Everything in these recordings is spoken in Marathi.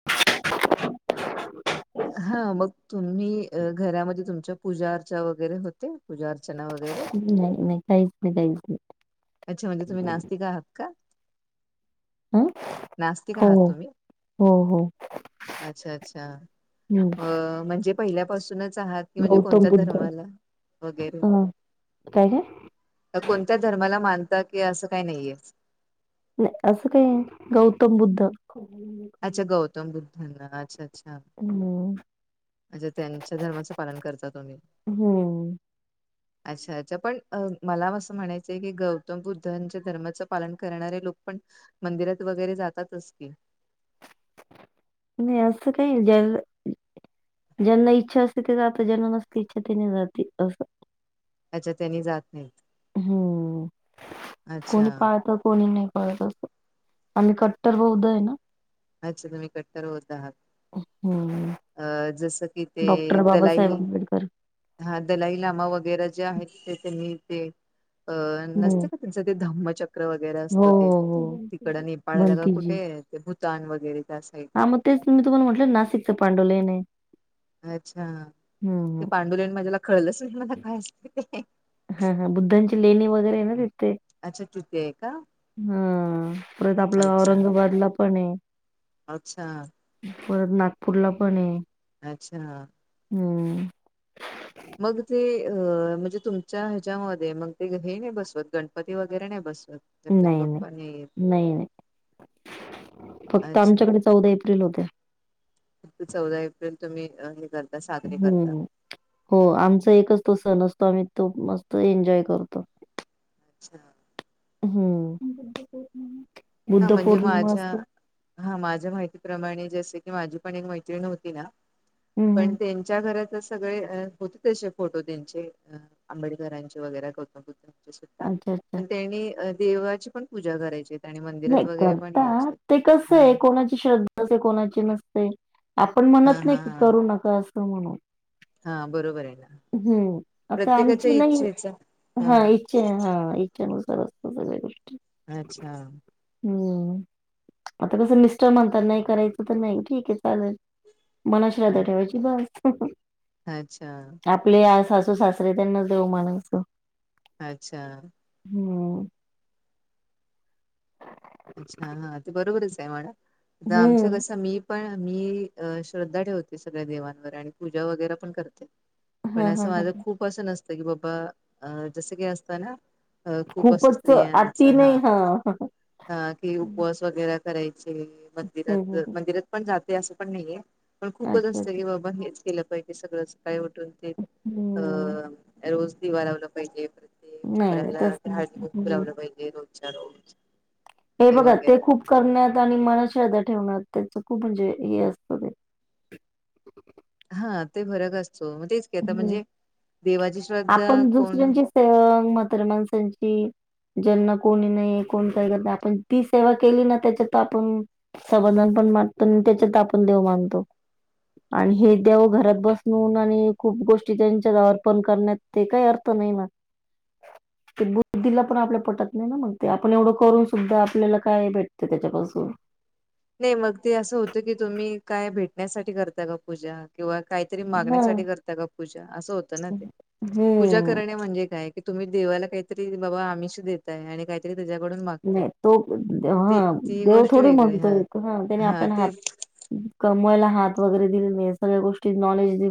[unintelligible] हा मग तुम्ही घरामध्ये तुमच्या पूजा अर्चा वगैरे होते. पूजा अर्चना वग नाय नाय काहीच नाय काहीच नाय अच्छा म्हणजे तुम्ही नास्तीक आहात का हं नास्तिक हो आहात तुम्ही हो हो अच्छा अच्छा हम्म अ म्हणजे पहिल्यापासूनच आहात की म्हणजे गौतम कोणत्या बुद्ध अ धर्माला वगैरे काय काय का कोणत्या धर्माला मानता की असं काय नाहीये. नाय असं काय नाय गौतम बुद्ध अच्छ गौतम बुद्धन ना अच्छा अच्छा. हम् अ् त्यांच्या धर्माचं पालन करता तुम्ही. हम्म अच्छा अच्छा पण मला असं म्हणायचंय की गौतम बुद्धांच्या धर्माचं पालन करणारे लोक पण. मंदिरात वगैरे जातातच की. नाही असं काही ज्या ज्यांना इच्छा असते ते जात ज्यांना नसते इच्छा त्यां नाही जाते असं त्याच्या तेनी जात नाहीत. हम्म कोणी अच्छा. पाळत कोणी नाही पाळत. आणि कट्टर बौद्ध आहे ना. अच्छा तु कट्टर होत हात. हम्म अं जसं की ते डॉक्टर दलाईल. बाबासाहेब आंबेडकर हा दलाई लामा वगैरे जे आहेत तेनी ते अ हम्म नसते का. त्यांचं ते धम्मचक्र वगैरे हो असतं ते हो हो तिकड नेपाळाला का भंतीजी कुठे आहे. भूतान वगैरे त्या साई. हा मग तेच मी तुम्हाला म्हटलं नाशिकचचे पांडवले नाही. अच्छा ते पांडुले आणि माझ्याला खळलंच नाही मला काय अस ते. हा हा बुद्धांची लेणी वगैरे आहे ना तिथे. अच्छा तृती आहे का. हम परत आपलं अच्छा औरंगाबाद ला पण आहे. अच्छा परत नागपूरला पण आहे. अच्छा! हम्म मग ते अ म्हणजे तुमच्या ह्याच्यामध्ये मग ते हे नाही बसवत गणपती वगैरे नाही बसवत. गणपती नाही नाही बाप्पा येत नाही नाही फक्त अच्छा आमच्याकडे चौदा एप्रिल होत्या. चौदा एप्रिल तुम्ही हे कर. हम्म हो आमचा एकच तो सण असतो आम्ही तो मस्त एन्जॉय करतो. अच्छा! हम्म हा बुद्ध म्हणजे पौर्णिमा माझ्या असते. हा माझ्या माहितीप्रमाणे जस की माझी पण एक मैत्रिणी होती ना हं, पण हं. त्यांच्या घरात. सगळे होते त्याचे फोटो त्यांचे आंबेडकरांचे वगैरे कुत कुत अच्छा, अच्छा. पण त्यांनी देवाची पण पूजा करायची. आणि नाही मंदिरात वगैरे पण करता यायचे ते कस हा आहे कोणाची श्रद्धा तसे कोणाचे नसते आपण हा म्हणत नाही हा की हा करू नका असं म्हणून. हा बरोबर आहे ना. हम्म आता प्रत्येकाच्या आमची नाही इच्छेचा हा इच्छा हा. ुसार असत सग. अच्छा! हम्म आता कसं मिस्टर म्हणतात नाही करायचं तर नाही ठीक आहे चालेल. मना अ, श्राद्ध ठेवायची बस. अच्छा! आपले सासू सासरे त्यांना देऊ मानां. अच्छा! हम्म अच्छा हा ते बरोबरच आहे म्हड आमचं हम्म कस मी पण मी अ श्रद्धा ठेवते सगळ्या देवांवर आणि पूजा वगैरे पण करते. पण हा हा असं हा माझं खूप असं नसतं की बाबा अ जसं काही असतं ना. अ खूप असं खूपच स्त्रियांच अति नाही हा- हा. हा कि हम्म उपवास वगैरे करायचे हम्म मंदिरात हम्म. मंदिरात पण जाते असं पण नाहीये. पण खूपच अच्छा असत अच्छा की बाबा हेच केलं पाहिजे सगळं काय एवढं पण ते हम्म अ रोज दिवा लावला पाहिजे. परत ते नाही नाही उंबऱ्याला तस ते नाही हळदीकुंकू हम्म. लावल पाहिजे रोजच्या रोज हे बघा ते खूप करण्यात आणि मनात श्र द्धा ठेवण्यात त्याच खूप म्हणजे हे असतं ते हा ते फरक असतो तेच की आता हम्म म्हणजे देवाची श्रद्धा आपण कोण दुसऱ्यांची सेवा म्हताऱ्या माणसांची ज्यांना कोणी नाही कोण काही करत आपण ती सेवा केली ना त्याच्यात आपण समाधान पण वाटतो आणि त्याच्यात आपण देव मानतो. आणि हे देव घरात बसून आणि खूप गोष्टी त्यांच्या अर्पण करण्यात ते काही अर्थ नाही ना [unintelligible] ते बुद्धीला पण आपल्या पटत नाही ना मग ते आपण एवढं करून सुद्धा आपल्याला काय भेटते त्याच्यापासून नाय मग ते असं होतं की तुम्ही काय भेटण्यासाठी करता का पूजा किंवा काहीतरी हा मागण्यासाठी करता का पूजा असं होत ना ते पूजा हम्म. करणे म्हणजे काय? की तुम्ही देवायला काहीतरी बाबा आमिश देत ते आणि काहीतरी तुझ्याकडून मागताय नाही तो ती ती गोष्ट वेगळी हा ह त्याने हा आपल्याला ते हात कमवयला हात वगैरे दिले ना हया सगळ्या गोष्टी नॉलेज दि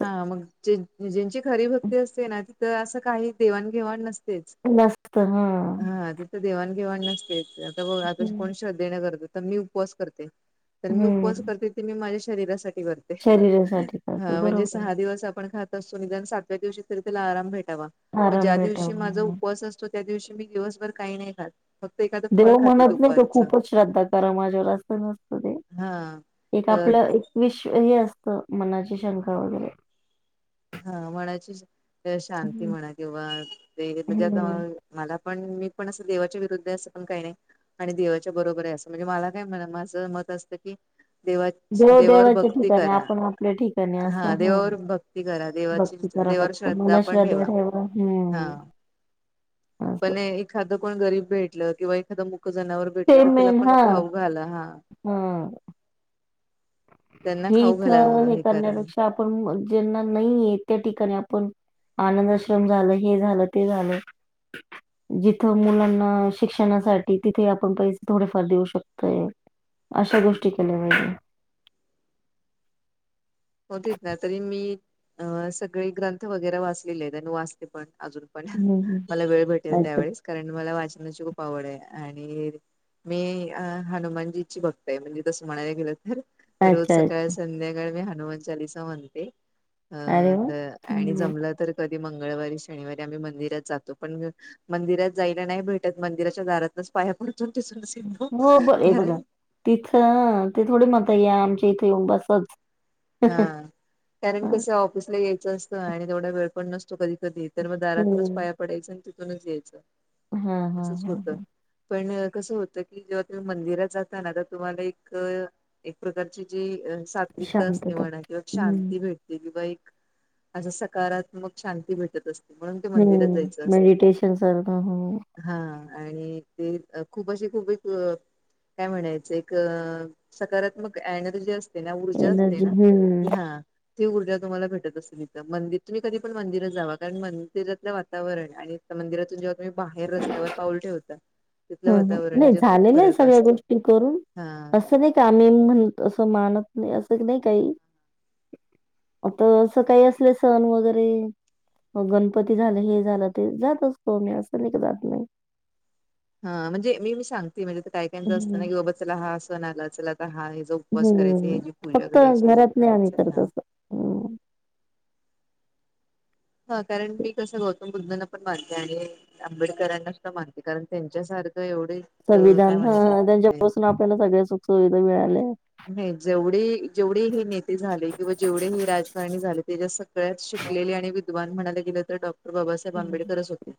हा मग ज्यन ज्यांची खरी भक्ती असते ना तिथं असं काही देवाणघेवाण नस तेच नसत हा हा तिथं देवाणघेवाण नसतेच आता बघा आता हम्म कोण श्रद्ध देण करते तर मी उपवास करते तर मी उपवास करते ते मी माझ्या शरीरासाठी कर शरीरा हा म्हणजे सहा दिवस आपण खात त निदान सातव्या दिवशी तरी त्याला आराम भेटावा म आराम ज्या भेटावा दिवशी माझा म्हणून उपवास असतो. त्या दिवशी मी दिवसभर काही नाही खात फक्त एखादं फळ देव खाते म्हणत नाय का दुपारचं खूपच श्रद्धा करा माझ्यावर असं नसतं ते हा एक तर आपलं एक विश हे असतं मनाची शंका वगैरे हा मनाची शं ते शांती हम्म म्हणा किंवा ते म्हणजे आता हम्म. मला पण मी पण असं देवाच्या विरुद्ध आहे अस पण काही नाय आणि देवाच्या बरोबर आहे असं म्हणजे मला काय म्हणा माझं मत असतं की देवा च देव देवावर देवाच्या भक्ती ठिकाणी करा आपण आपल्या ठिकाणी असं हा देवावर भक् ती करा देवाची भक्ती करा देवावर फक्त श्रद्धा मनात पण श्रद्धा ठेवा हम्म हा- असं पण एखादं कोण गरीब भेटलं किंवा एखादं मुक जनावर भेटल ते तर त्याला मेन पण हा खाऊ घाला हा हा त्यांना हे खाऊ घाला इथं हे करा करण्यापेक्षा आपण ज्यांना नाहीय त्या ठिकाणी आपण आनंदश्रम झालं हे झालं ते झालं [unintelligible] जिथं मुलांना शिक्षणासाठी तिथे आपण पैसे थोडेफार देऊ शकतोय. अशा गोष्टी केल्या पाहिजे. होतीत ना तरी मी अ सगळे ग्रंथ वगैरे वाचलेले आहेत आणि वाचते पण अजून पणा हम्म मला वेळ भेटेल अच्छा त्यावेेळेस कारण मला वाचनाची खूप आवड आहे आणि मी हनुमानजीची भक्त आहे म्हणजे जसं म्हणायला गेलं तर रोज अच्छा अच्छा सकाळ संध्याकाळ मी हनुमान चालीसा म्हणते. अ अरे वा. द आणि हम्म जमलं तर कधी मंगळवारी शनिवारी आम्ही मंदिरात जातो पण मंदिरात जायला नाही भेटत मंदिराच्या दारातच पाया पड पण तस नस हो बर हे बघा तिथं ते थोडी म्हणता या आमच्या इथे येऊन बसाच हा कारण कसं ऑफिसला यायचं असतं आणि तेवढा वेळ पण नसतो कधी कधीेत तर मग दारातूनच हम्म. पाया पडायच आणि तिथूनच यायचं हा हा असंच हा होतं. हा. पण कसं होतं की जेव्हा तुम्ही मंदिरात जाता ना तर तुम्हाला एक. एक प्रकारची जी सात्विकता असते शांतता. म्हणा किंवा हम्म. शांती भेटते. किंवा एक अशा सकारात्मक शांती भेटत असते. म्हणून ते मंदिरात जायचं हम्म असतं मेडीटेशन सर् ह. हा आणि ते खूप अशी खूप एक. काय म्हणायच एक सकारात्मक एनर्जी असते ना ऊर्जा असते एनर्जी ना. हम्म. की हा. ती ऊर्जा तुम्हाला भेटत असेल इथं मंदिर तुम्ही कधी पण मंदिरात जा कारण मंदिरातलं वातावरण आहे. मंदिरातून जेव्हा तुम्ही बाहेर रस्त्यावर पाऊल ठेवता. तिथलं ह वातावरण नाही याच्यात खूप झालेल्या आहे फरक सगळ्या असतो गोष्टी करून हा अस. असं नाही का आम्ही म्हणत असं मानत नाही असं नाही काही. आता असं काही असले सण वगैरे. मग गणपती झालं हे झालं ते जातच त मी असं नाही का जात नाही. हा म्हणजे मी मी सांगते म्हणजे ते काय काहीच असतं हं, ना की बाबा चला हा असंण आला चला तर हा. उपवास करायच हे हं. जी पूजा फक्त करायची हे घरात नाही आम्ही करायचं करत हा. असं. हं. हा कारण मी कसं गौतम बुद्धांना पण मानते आणि. आंबेडकरांनास मानते कारण त्यांच्यासारखं एवढे. अ, संविधान काय ह म्हणायचं ते त्यांच्यापासून आपल्याला सगळ्या सुख सुुविधा मिळाल्या. नाही जेवढे जेवढे हे नेते झाले किंवा जेवढे हे राजकारणी झाले तेच्यास. शिकलेली आणि. वान म्हणाला गेलं तर डॉक्टर बाबासाहेब हं. आंबेडकरच होते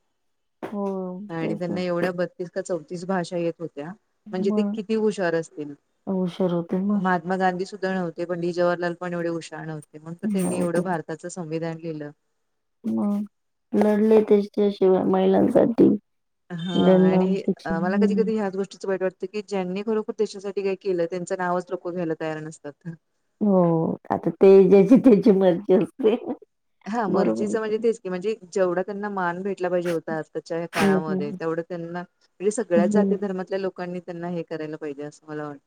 हो, आणि तेच ना. त्यांना एवढ्या. स का चौतीस भाषा येत होत्या म्हणजे ते मग किती हुशार असतील. हुशार होते मग. मात्मा गांधी सुद्धा नव्हते पण डी जहरला पण एवढे उशाण होते मगण त्यांनी एवढं होते. भारत. त्याच संविधान लिहिलं. ह लढले त्याच्याशिवाय महिलांसाठी. हा ज्यांना आणि शिक्षण मला कधी हं. कधी ह्याच गोष्टीचं वाईट वाटत. की ज्यांनी खरोखर देशासाठी काही केलं त्यांच नावच लोकं घ्यायला तयार नसतात ना. हो आता ते ज्याची त्याची मर्जी असते. हा बरोबर आहे. मर्जीचं म्हणजे तेच की म्हणजे जेवढा त्यांना मान भेट. पाहीजे होतात त्याच्या हम्म काळामध्ये हम्म तेवढ त्यांना म्हणजे सगळ्या जाती हम्म. धर्मातल्या लोकांनी. त्यांना हे करायला पाहिजे असं मला वाटतं.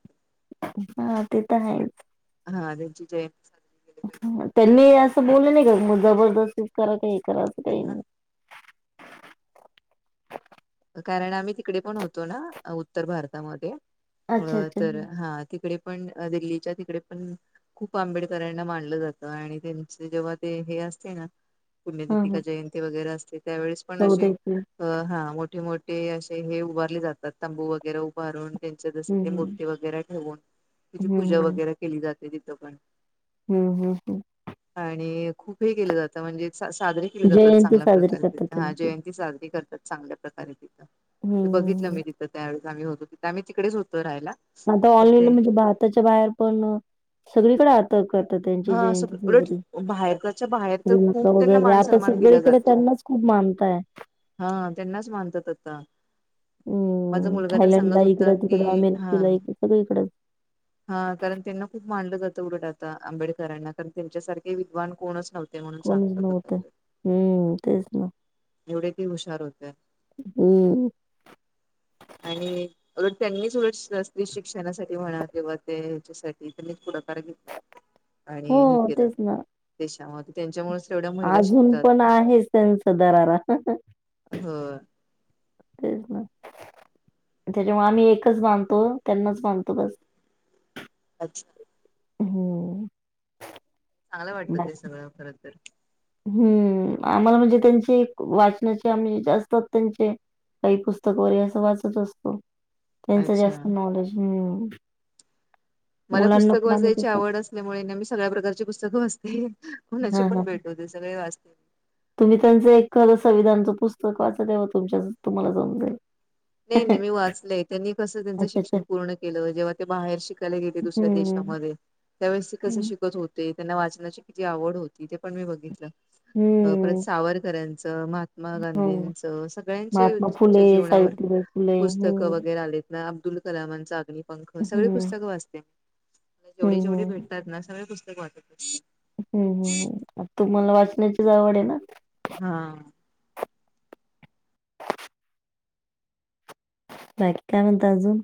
हा ते तर आहेच. हा त्यांची जय. त्यांनी असं बोललं नाही का मग जबरदस्ती करा का हे करा. एक काही ना. नाही. कारण आम्ही तिकडे पण होतो ना उत्तर भारतामध्ये अच्छा अच्छा तर हा. तिकडे पण दिल्लीच्या तिकडे पण. खूप आंबेडकरांना मानलं जातं आणि त्यांचे जेव्हा ते हे असते ना. हा पुण्यदितिका हा जयंती वगैरे असते त्यावेळेस पण अशी चौदा एप्रिल अ हा. मोठे मोठे असे हे उभारले जातात तंबू वगैरे. ारून त्यांच्या जस हम्म हम्म. मूर्ती वगैरे ठेवून त्याची पूजा हम्म वगैरे केली जाते तिथं पण. हम्म हम् हम्. आणि खूप हे केलं जातं म्हणजे साजरे केले जातात जयंती चांगल्या साजरी प्रकारे. करतात हा त्यांची जयंती साजरी करतात. चांगल्या प्रकारे तिथं ते बघितलं हम्म मी तिथं त्यावेळेस आम्ही होतो तिथं आम्ही तिकडेच होतो राहायला. आता तर ते ऑनलाईनला म्हणजे भारताच्या बाहेर पडण. सगळीकडे आता करतात त्यांची हा जयंती सगळ उलट साजरी बाहेरच्या बाहेर तर खूप शीलंका त्यांना वगैरे मान आता सन्मान दिला सगळीकडे. जातो. त्यांनाच खूप मानताय. हा त्यांनाच मानतात आता. माझा हम्म. मुलगा तर थायलंडला सांगत होता इकडं कि तिकडं हा. अमेरिकेला इकडं सगळं इकडं हा कारण त्यांना खूप मांडलं जातं उलट आता आंबेडकरांना कारण त्यांच्यासारखे विद्वान कोणच नव्हत कोणीच नव्हत हम्म तेच ना एवढे ते हुशार होते हम् आणि त्यांनीच शिक्षणासाठी म्हणा किंवा ते हच्यासाठी त्यांनी पुढाकार घेतला आणि हे हो, केलं तेच ना. देशामध्ये त्यांच्यामुळेच तेवढ्या महिला शिकतात सनसधररा हम ते त्याच्यामु आम्ही एकच बांधतो त्यांनाच बांधतो बस अच्छा होम् चांगलं वाटतं ते सगळं खरं तर हम्म आम्हाला म्हणजे त्यांचे वाचनाचे आम्ही जास्तात त्यांचे काही पुस्तक वगैरे असं वाचत असतो त्यांचं अच्छा जास्त नॉलेज हम्म मला पुस्तक वाजायची तसं आवड अस ल्यामुळे न मी सगळ्या प्रकारची पुस्क वाचते कोणाची हां, हां. पण भेट होते सगळे वाचते तुम्ही त्यांचं एक कल संंविधानचं पुस्तक वाचतव तुमच्या तुम्हाला समजेल नाही नाही अच्छा मी वाचलंय त्यांनी कसं त्यांचं अच्छा शिक्षण पूर्ण केलं जेव्हा ते बाहेर शिकायला गेले दुसऱ्या हम्म देशामध्ये त्यावेळेस ते कसे हम्म शिकत होते त्यांना वाचनाची किती आवड होती ते पण मी बघितलं अ हम्म परत सावरकरांचं महात्मा हो गांधींचं महात्मा सगळ्यांचेच्या फुले, जीवनावर सावित्रीबाई फुले पुस्तकं हम्म वगैरे आलेत ना अब्दुल कलामांचा अग्निपंख सगळी हम्म पुस्तकं वाचते मला जेवढी हम्म जेवढे हम्म भेटतात ना सगळे पुस्तक वाटत ह् आ तुम्हाला वाचण्याचीच आवड आहे ना हा बाकी काय म्हणत अजून